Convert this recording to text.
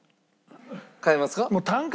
変えますか？